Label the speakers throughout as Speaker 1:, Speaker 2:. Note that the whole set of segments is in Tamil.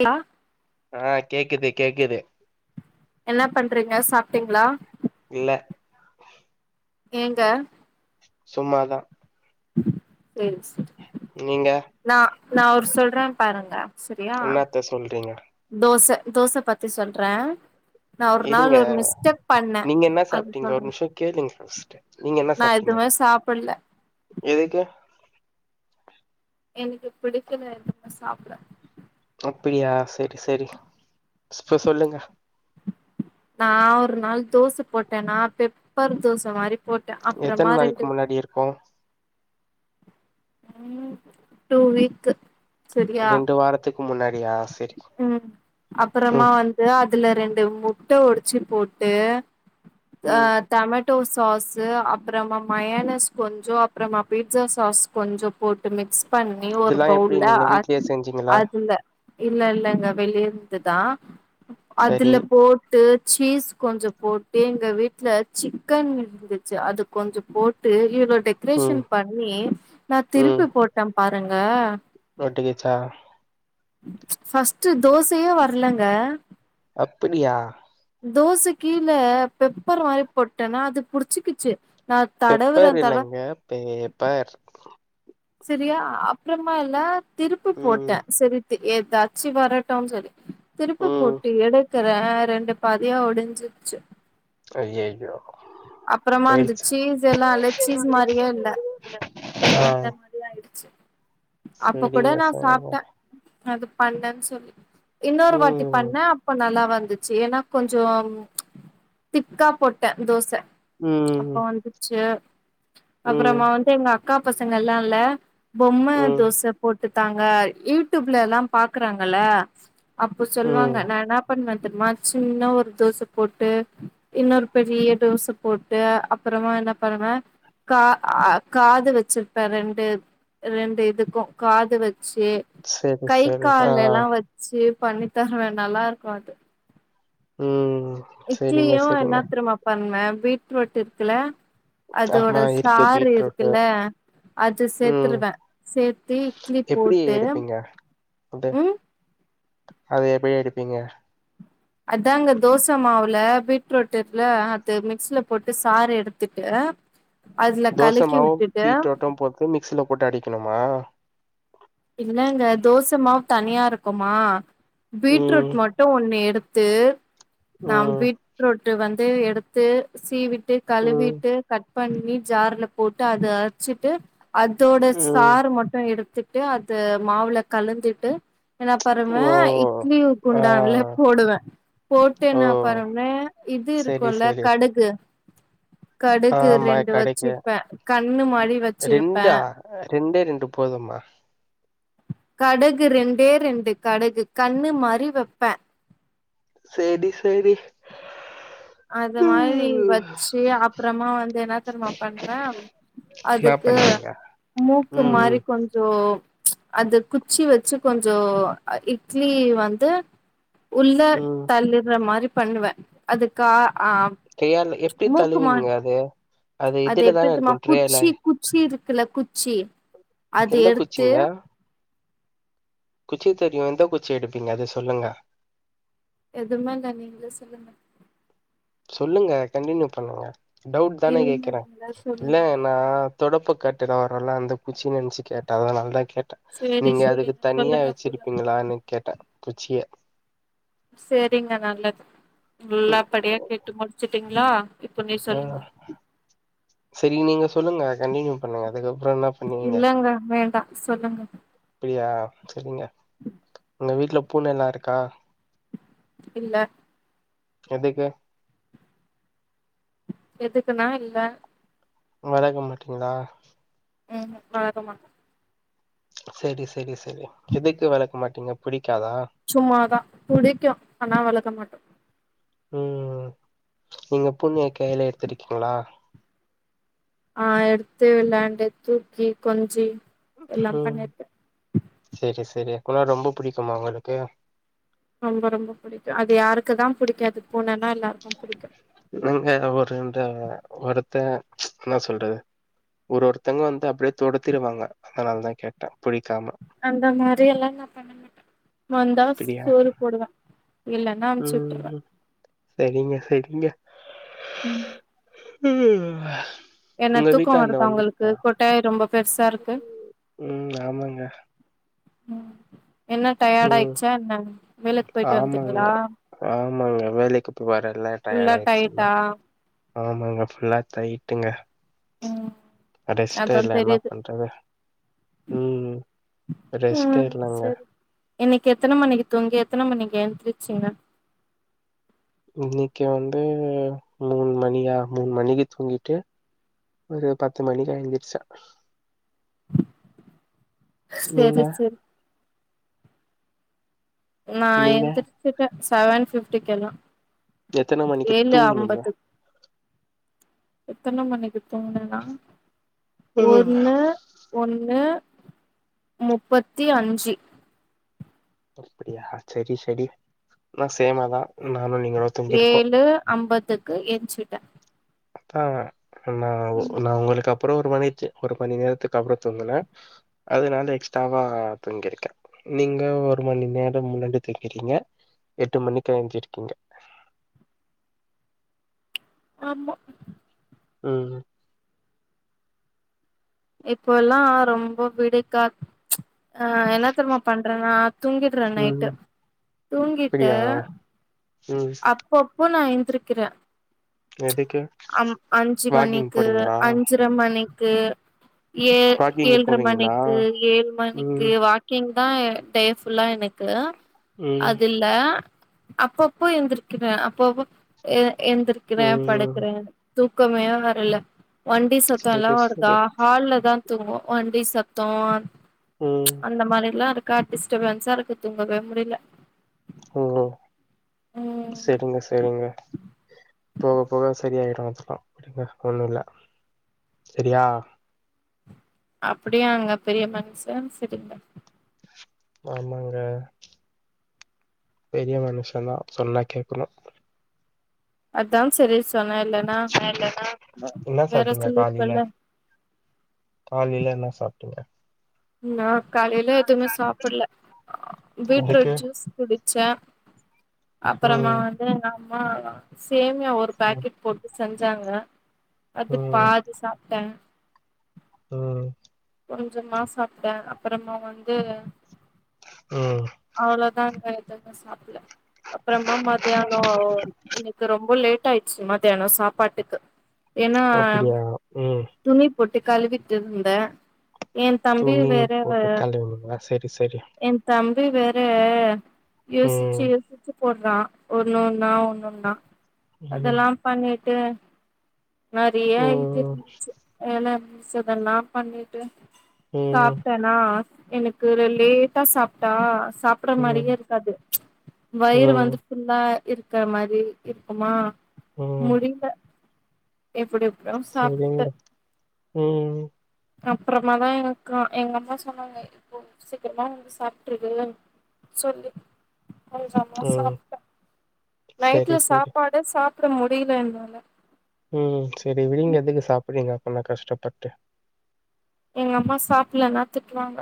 Speaker 1: ஹலோ
Speaker 2: ஆ கேக்குது கேக்குது
Speaker 1: என்ன பண்றீங்க சாப்ட் டீங்ளா
Speaker 2: இல்ல
Speaker 1: ஏங்க
Speaker 2: சும்மாதா
Speaker 1: சேர் சே
Speaker 2: நீங்க
Speaker 1: நா நா ஒரு சொல்றே பாருங்க சரியா
Speaker 2: என்னத்த சொல்றீங்க
Speaker 1: தோச தோச பத்தி சொல்றே நா ஒரு நாள்
Speaker 2: இருங்க
Speaker 1: ஒரு மிஸ்டக் பண்ணே
Speaker 2: நீங்க என்ன
Speaker 1: அது
Speaker 2: சாப்ட்டீங்க ஒரு
Speaker 1: சொல்றே
Speaker 2: நிமிஷோ கேளுங்க ஃபஸ்ட் நீங்க என்ன
Speaker 1: நா
Speaker 2: சாப்ட்டீங்க
Speaker 1: எதுமே சாப்பல்ல
Speaker 2: எதுக்கு
Speaker 1: எனக்கு பிடிக்கல எதுமே சாப்ட
Speaker 2: அப்படியா சரி சரி இப்ப சொல்லுங்க
Speaker 1: நா ஒரு நாள் தோச போட்டனா பெப்பர் தோச மாரி போட்டே அப்புறமா
Speaker 2: எத்தன் நாளைக்கு
Speaker 1: ரெண்டு
Speaker 2: முன்னாடி இருக்கு
Speaker 1: ம் டூ வீக்கு சரியா
Speaker 2: ரெண்டு வாரத்துக்கு முன்னாடியா செரி
Speaker 1: ம் அப்புறமா
Speaker 2: ம்
Speaker 1: வந்து அதுல ரெண்டு முட்ட ஒடச்சு போட்டு அ
Speaker 2: ம்
Speaker 1: டெமட் ட்டோ சாஸ்சு அப்பறமா மயானஸ் கொஞ்சோ அப்பறமா பீட்சா சாஸ் கொஞ்ச போட்டு மிக்ஸ் பண்ணி ஒரு
Speaker 2: இதெல்லா எப்டி
Speaker 1: பவுல்ல
Speaker 2: நீங்க வீட்லயே செஞ்சீங்களா
Speaker 1: அதுல இல்லல்லங்க வெளியிருந்துதா
Speaker 2: சரி
Speaker 1: அதுல போ ட்டு சீஸ் கொஞ்ச போட்டு எங்க வீட்ல சிக்கன் இருந்துச்சு அது கொஞ்சோ போட்டு ஈரோ
Speaker 2: ம்
Speaker 1: டெக்கரேஷன் பண்ணி நா
Speaker 2: ம்
Speaker 1: திருப்பி போட்டேன் பாருங்க
Speaker 2: ஒட்டிக்கிச்சா
Speaker 1: ம்ச் ஃபிரஸ்ட்டு தோசையே வர்லங்க
Speaker 2: அப்பிடியா
Speaker 1: தோச கீழ பெப்பர் மாதிரி போட்டேன்னா அது புடிச்சுக்குச்சு நா தடவுறே
Speaker 2: பெப்பர்
Speaker 1: தடவு
Speaker 2: இல்லங்க பேப்பர்
Speaker 1: செரியா அப்புறமா இல்லா திருப்பு
Speaker 2: ம்
Speaker 1: போட்டேன் செரி தி எதாச்சு வரட்டும்னு சொல்லி திருப்பி
Speaker 2: ம்
Speaker 1: போட்டு எடுத் இருக்குறே ரெண்டு பதியா உடிஞ்சிச்சு
Speaker 2: ஐயையோ
Speaker 1: அப்புறமா அந்த
Speaker 2: போயிடுச்சு
Speaker 1: சீஸ் எல்லாயில்ல சீஸ் மாரியே இல்ல
Speaker 2: ஆ
Speaker 1: அந்த மாதிரி ஆயிடுச்சு அப்ப கூட
Speaker 2: செரிங்க
Speaker 1: நா
Speaker 2: செரிங்க
Speaker 1: சாப்பிட்டேன் அது பண்ணேன்னு சொல்லி இன்னொரு வாட்டி
Speaker 2: ம்
Speaker 1: பண்ணேன் அப்ப நல்லா வந்துச்சு ஏன்னா கொஞ்சோ ம்ச் திக்கா போட்டே தோச அப்ப
Speaker 2: ம்
Speaker 1: வந்துச்சு
Speaker 2: ம்
Speaker 1: அப்புறமா வந்து எங்க அக்கா பசங்க எல்லா இல்ல பொம்ம
Speaker 2: ம்
Speaker 1: தோச போட்டு தாங்க யூடியூப்ல எல்லாம பாக்குறாங்கள அப்போ
Speaker 2: ம்
Speaker 1: சொல்லுவாங்க நா என்ன பண்ணே தெரியுமா சின்ன ஒரு தோச போட்டு இன்னொரு பெரிய தோச போட்டு அப்புறமா என்ன பண்ணுவே கா ஆ காது வச்சிருப்பே ரெண் டு ரெண்டு இதுக்கும் காது வச்சு
Speaker 2: செரி
Speaker 1: கை
Speaker 2: செரி ஆ
Speaker 1: கால் எல்லா வச் செரி பண்ணி தரவேன் நல்லா இருக்கு அது
Speaker 2: ம் செரிங்க
Speaker 1: இட்லியு என
Speaker 2: செரிங்க
Speaker 1: தெர்மா பண்ணுவே பீட்ரூட் இருக்குல அதோட
Speaker 2: ஆமா இருக்கு
Speaker 1: சாறு
Speaker 2: பீட்ரூட்டு
Speaker 1: இருக்குல்ல அது
Speaker 2: ம்
Speaker 1: சேத்தருவேன் சேத்தி இட்லி போட்டு
Speaker 2: ஃபுட்டு
Speaker 1: ம்
Speaker 2: அது எப்டி எடுப்பீங்க
Speaker 1: அதாங்க தோச மாவுல பீட்ரூட் இருக்குல்ல அது மிக்ஸல போட்டு சாறு எடுத்துட்டு அதுல கலக்கி விட்டுட்டு
Speaker 2: இதேயு மிக்சியில போட்டு அடிக்கணுமா
Speaker 1: இல்லங்க தோச மாவு தனியா இருக்குமா பீட்ரூட்
Speaker 2: ம்
Speaker 1: மட் டு ஒண்ணு எடுத்து நம்
Speaker 2: ம்
Speaker 1: பீட்ரூட்டு் வந்து எடு த்து சீவிட்டு
Speaker 2: ம்
Speaker 1: கழுவிட்டு கட் பண்ணி ஜார்ல போட்டு அத அரச்சிட்டு அதோட
Speaker 2: ம்
Speaker 1: சாறு மட்டு எடுத்துட்டு அது மாவுல கலந்துட்டு என்னா
Speaker 2: ஓ
Speaker 1: பாருவேன் இட்லி உ
Speaker 2: ஆ
Speaker 1: குண்டான்ல போடுவேன் போட்டு
Speaker 2: ஓ
Speaker 1: என்ன பண்ணுவே இது
Speaker 2: செரி
Speaker 1: இருக்கும்ல
Speaker 2: செரி
Speaker 1: கடுகு கடுகு
Speaker 2: ஆமா
Speaker 1: ரெண்டு
Speaker 2: கடைக்கு
Speaker 1: வச்சிருப்பேன் கண்ணு மாரி
Speaker 2: ரெண்டா
Speaker 1: வச்சிருப்பேன்
Speaker 2: ரெண்டே ரெண்டு போதும்மா
Speaker 1: கடுகு ரெண்டே ரெண்டு கடுகு கண்ணு மாரி வைப்பே
Speaker 2: செரி செரி
Speaker 1: அது மாரி வச்சு அப்பறமா வந்து என்ன தெர்மா பண்ணுவேன்
Speaker 2: என்னா
Speaker 1: அதுக்கு
Speaker 2: பண்ணுவீங்க
Speaker 1: மூக்கு
Speaker 2: ம் ம்
Speaker 1: மாரி கொஞ்சோ ம்ச் அது குச்சி வச்சு கொஞ்சோ இட்லி வந்து உள்ள
Speaker 2: ம்
Speaker 1: தள்ளுற மாரி பண்ணுவே அதுக்கா ஆ
Speaker 2: கையால எப்டி
Speaker 1: மூக்குமா
Speaker 2: தள்ளுவீங்க அது
Speaker 1: அது
Speaker 2: இதுல தான
Speaker 1: எப்டித்தெர்மா
Speaker 2: இருக்கு ட்ரேல
Speaker 1: குச்சி குச்சி இருக்குல்ல குச்சி அதெ
Speaker 2: எந்த
Speaker 1: எடுத்து
Speaker 2: குச்சிங்க குச்சி தெரியூ எந்த குச்சி எடுப்பீங்க அத சொல்லுங்க
Speaker 1: எதுவுமே இல்ல நீங்களோ சொல்லுங்க
Speaker 2: சொல்லுங்க கண்டியூ பண்ணுங்க டவுட் தானே
Speaker 1: இல்லங்க
Speaker 2: கேக்குறே
Speaker 1: நீங்களே
Speaker 2: இல்ல
Speaker 1: சொல்லுங்க
Speaker 2: நா தொடப்பக்கட்டயில வரும்ல அந்த குச்சின் நெனைச்சு கேட்டே அதானால தா கேட்டே
Speaker 1: சேரி
Speaker 2: நீங்க அதுக்கு
Speaker 1: சேரிங்க
Speaker 2: தனியா
Speaker 1: சொல்லுங்க சொல்லுங்க
Speaker 2: வச்சிருப்பீங்களான்னு கேட்டே குச்சிய
Speaker 1: செரிங்க நல்லத் நல்லா படியா கேட்டு முட்ச்சுட்டீங்களா
Speaker 2: ஆ செரி நீங்க சொல்லுங்க கண்டினியூ பண்ணுங்க அதுக்கப்பறோ என்னாப்
Speaker 1: இல்லங்க வேண்டா சொல்லுங்க
Speaker 2: அப்டியா செரிங்க
Speaker 1: ம்
Speaker 2: உங்க வீட்ல பூனெல்லா இருக்கா
Speaker 1: இல்ல
Speaker 2: எதுக்கு
Speaker 1: எதுக்குன்னா இல்ல
Speaker 2: வளக்க மாட்டீங்களா
Speaker 1: ம் ஹூம் வளக்க மாட்டோ
Speaker 2: செரி செரி செரிங் எதுக்கு வெளக்க மாட்டீங்க புடிக்காதா
Speaker 1: சும்மாதா புடிக்கூ ஆனா வளர்க்க மாட்டோ
Speaker 2: ம் நீங்க பூனய கையில எத்துருக்கீங்களா
Speaker 1: ஆ எட்த்து விளாண்டுட்டு தூக்கி கொஞ்சி எல்லா
Speaker 2: ம்
Speaker 1: பண்ணிருக்கே
Speaker 2: செரி செரி குனா ரொம்ப புடிக்குமா உங்களுக்கு
Speaker 1: ரொம்ப ரொம்ப புடிக்கூ அது யாருக்கு தா புடிக்காது பூனென்னா எல்லாருக்கூ புடிக்கூ
Speaker 2: நாங்க ஒரு இந்த ஒருத்தெ ன்னா சொல்றது ஒரு ஒருத்தவங்க வந்து அப்டியே தொரத்திடுவாங்க அதனால தா கேட்டே புடிக்காம
Speaker 1: அந்த மாதிரி எல்லா நா பண்ண மாட்டே வந்தா
Speaker 2: அப்டியா
Speaker 1: சோறு போடுவே இல்லன்னா அமுச்சு
Speaker 2: ம்
Speaker 1: விட்டுருவே
Speaker 2: ஹூம் செரிங்க செரிங்க
Speaker 1: ம்
Speaker 2: ம்
Speaker 1: என்ன தூக்க வருதா உங்களுக்கு கொட்டாயி ரொம்ப பெருசா இருக்கு
Speaker 2: ம் ஆமாங்க
Speaker 1: ம் என்ன டயர்ட
Speaker 2: ம்
Speaker 1: ஆயிட்ச்சா என்ன வேலைக்கு போயிட்டு வந்தீங்களா
Speaker 2: ஆமாங் வேலைக்கு போய் வரல்ல டயர்ட்
Speaker 1: ஃபுல்லா
Speaker 2: ஆயிடுச்சுல்லா
Speaker 1: டயட்டா
Speaker 2: ஆமாங்க ஃபுல்லா டயீட் டுங்க
Speaker 1: ம்
Speaker 2: ரெஸ்டே
Speaker 1: அதா
Speaker 2: இல்ல என்ன
Speaker 1: தெரியுது
Speaker 2: பண்றது ம் ரெஸ்டே இல்லங்க
Speaker 1: இன்னிக்கு எத்தன மணிக்கு தூங்கி எத்தன மணிக்கி எழுந்துருச்சுங்க
Speaker 2: இன்னிக்கு வந்து மூண் மணியா மூண் மணிக்கு தூங்கிட்டு ஒரு பத்து மணிக்கா எந்திருச்சோ நீங்க?
Speaker 1: செரி செரி நா
Speaker 2: நீங்க?
Speaker 1: எந்திருச்சிட்டேன் செவன் பிஃப்டிக்கு எல்லா
Speaker 2: எத்தன மணிக்கு
Speaker 1: ஏழு
Speaker 2: தூங்குனீங்க?
Speaker 1: அம்பது எத்தன மணிக்கு தூங்கணுனா ஒன்னு ஒன்னு முப்பத்தி அஞ்சு
Speaker 2: அப்படியா செரி செரி ன்னா சேமாதா
Speaker 1: ஏழு அம்பத்துக்கு ஏய்ஞ்சுட்டே
Speaker 2: அதா நா நா உங்களுக்கப்பறோ ஒரு மணி நேரத்துக்கு அப்றொ தூங்குன அதுனால எக்ஸ்டாவா தூங்கிருக்கெ நீங்க ஒரு மணி நேர முன்னாடி துங்கிறிகீங்க எட்டு மணிக்கு எழிஞ்சிருக்கீங்க
Speaker 1: ஆமா
Speaker 2: ம்
Speaker 1: இப்போல்லா ரொம்ப விடுக்கா ஆ என்ன தெரியுமா பண்றனா தூங்கிட்ற நைட்டு
Speaker 2: ம்
Speaker 1: தூங்கிட்டு
Speaker 2: அப்டியா ம்
Speaker 1: பொக்குன்னு நா எந்திரிக்கிற
Speaker 2: எதுக்கு
Speaker 1: அஞ்சு
Speaker 2: வாக்கிங்
Speaker 1: மணிக்கு
Speaker 2: போறீங்களா
Speaker 1: அஞ்சு மணிக்கு ஏ
Speaker 2: வாக்கிங்கு
Speaker 1: ஏழ்ர
Speaker 2: போவீங்களா
Speaker 1: மணிக்கு ஏழு மணிக்கு
Speaker 2: ம்
Speaker 1: வா க்கிங்தா டே புல்லா எனக்கு
Speaker 2: ம்
Speaker 1: அதில்ல அப்பொ ப்போ எந்திருக்கிற அப்போப்பொ எந்திருக்கிற
Speaker 2: ம்
Speaker 1: படுக்குற தூக்கமே வர்ல வண்டி சத்தல்லா
Speaker 2: சரி
Speaker 1: வருதா
Speaker 2: சரி
Speaker 1: ஹால்லதா தூங்வொ வண்டி சத்தோ
Speaker 2: ம்
Speaker 1: அந்த மாரில்லா இருக்கா டிஸ்டபன்ஸார்க்கு தூங்கவே முடில்ல
Speaker 2: ம்
Speaker 1: ம்
Speaker 2: செரிங்க செரிங்க போக போக சரி செரியாய்ரு அதெல்லா ஒன்னில்ல சரியா
Speaker 1: அப்படியாங்க பெரிய மனுஷா செரி
Speaker 2: ஆமாங்க பெரிய மனுஷந்தா சொன்னா கேக்கணு
Speaker 1: அதா சரின் சொன்ன
Speaker 2: என்ன சாப்பிட்டீங்க
Speaker 1: சொல்லிருப்பல்ல
Speaker 2: காலீல காலீல என்ன சாப்டிங்க
Speaker 1: நா காலைல எதுமே சாப்பிட்ல பீட்ரூட்
Speaker 2: இதுக்கு
Speaker 1: ஜூஸ் குடிச்ச அப்புறமா
Speaker 2: ம்
Speaker 1: வந்து எங்கம்மா சேமியா ஒரு
Speaker 2: ம்
Speaker 1: பாக்கெட் போட்டு செஞ்சாங்க அது
Speaker 2: ம்
Speaker 1: பாதி சாப்ட
Speaker 2: ம்
Speaker 1: கொஞ்சமா சாப்ட அப்புறமா வந்து
Speaker 2: ம்
Speaker 1: அவ்ளோதாங்க எதெது சாப்பல்ல அப்றமா மாதியானொ எனக்கு ரொம்ப லேட் டாயிச்சு மத்தியானொ சாப்பாட்டுக்கு ஏன்னா
Speaker 2: அப்டியா ம்
Speaker 1: துணி பொட்டு கழுவிட்டிருந்த ஏ தம்பி
Speaker 2: துணி
Speaker 1: வேற வெ
Speaker 2: போட்டு கழுவுனீங்களா சரி சரி
Speaker 1: என் தம்பி வேற யோசிச்சு
Speaker 2: ம்.
Speaker 1: யோசிச்சு போட்றா ஒன்னொன்னா ஒன்னொன்னா அதெல்லா
Speaker 2: ம்.
Speaker 1: பண்ணிட்டு நெறைய இது
Speaker 2: ம்.
Speaker 1: இருந்துச்சு வேல மிச்சதெல்லாம் பண்ணிட்டு
Speaker 2: ம்.
Speaker 1: சாப்டனா எனக்கு லேட்டா சாப்ட்டா சாப்ப சாப்ட மாரியே
Speaker 2: ம்.
Speaker 1: ருக்காது வயிறு
Speaker 2: ம்.
Speaker 1: வந்து ஃபுல்லா இருக்குற மாரி இருக்குமா
Speaker 2: ம்.
Speaker 1: முடியல எப்படி
Speaker 2: செரிங்க உம்
Speaker 1: அப்றமாதா எங்கக்கா எங்கம்மா சொன்னாங்க இப்போ சீக்கிரமா வந்து சாப்பிட்டுடு சொல்லி கொஞ்சமா
Speaker 2: ம்.
Speaker 1: சாப்ட்டே
Speaker 2: சரி,
Speaker 1: நைட்ல
Speaker 2: சரி.
Speaker 1: சாப்பாடு எத சாப்ட முடியல என்னால
Speaker 2: ம் சரி வீடுங்க எதுக்கு சாப்பிட்றீங்க அப்ப நா கஷ்டப்பட்டு
Speaker 1: எங்க அம்மா சாப்பலன்னா திட்டுவாங்க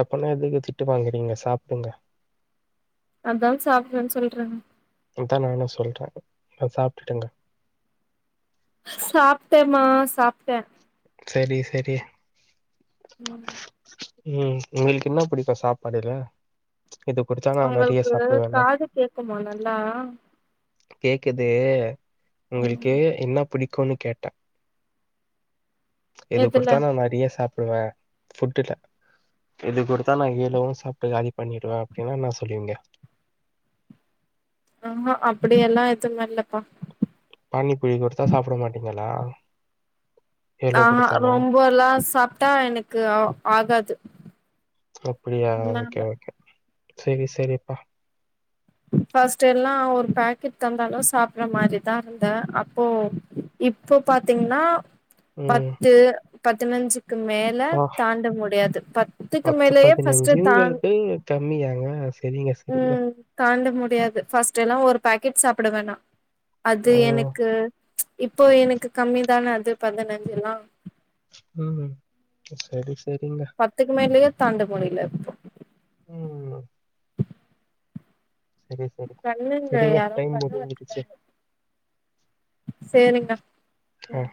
Speaker 2: அப்பனா நீங்க திட்டு வாங்குறீங்க சாப்புங்க
Speaker 1: அதான் சாப்ட்றன் சொல்லிறேங்
Speaker 2: அதா நானு சொல்ற போய் சாப்டுட்டுங்க
Speaker 1: சாப்டேமா சாப்ட்ட
Speaker 2: சரி சரி
Speaker 1: உம்
Speaker 2: உம் உங்களுக்கு என்ன பிடிக்கும் சாப்பாடுல்ல இது புடிச்சா
Speaker 1: ஒங்களுக்கு காது கேக்குமா நல்லா
Speaker 2: கேக்குது
Speaker 1: ம்
Speaker 2: உங்களுக்கு என்ன புடி குனு கேட்ட எது
Speaker 1: எதுல
Speaker 2: குடுத்தானு நெறைய சாப் வ ஃபுட்டுல இது குடுத்தா நா அய்யலோ சாப்ட்டு காலி பண்ணிடுவ அப்டின்னா நா சொல்லுவீங்க
Speaker 1: அம்மா அப்படியெல்லா எதும் இல்லபா
Speaker 2: பானிபூரி குடுத்தா சாப்ட மாட்டீங்களா எவ்ளோ
Speaker 1: ஆஹா
Speaker 2: கொடுத்தாலு
Speaker 1: ரொம்ப எல்லா சாப்ட்டா எனக்கு ஆ ஆகாது
Speaker 2: அப்படியா
Speaker 1: அதனால
Speaker 2: ஓகே சரி சரிப்பா
Speaker 1: பஃர்ஸ்ட்டு எல்லா ஒரு பேக்கெட் தந்தாலு சாப்றமாரிதாருந்த அப்போ இப்போ பாத்தீங்கன்னா
Speaker 2: ம்
Speaker 1: பத்து பதினைஞ்சி க்கு மேல
Speaker 2: பா
Speaker 1: தாண்ட முடியாது பத்துக்கு மேலயே ஃபஸ்டு தாண்
Speaker 2: டம்மியாங்க சரிங்க சரிங்க
Speaker 1: ம் தாண்ட முடியாது ஃபஸ்ட்டு எல்லா ஒரு பாக்கெட் சாப்புடுவ நா அது
Speaker 2: ஆ
Speaker 1: எனக்கு இப்போ எனக்கு கம்மி தான அது பதினஞ்சு எல்லாம்
Speaker 2: உம் சரி சரிங்க
Speaker 1: பத்துக்கு மேலலையே தாண்ட முடில இப்போ
Speaker 2: உம் சரி சரி
Speaker 1: பண்ணுங்க
Speaker 2: சரிங்க
Speaker 1: யாரோ
Speaker 2: டைம்
Speaker 1: பண்ண
Speaker 2: முடின்ச்சிடுச்சி
Speaker 1: வச்சுட்டாங்க சேரிங்க
Speaker 2: ஆ
Speaker 1: ம்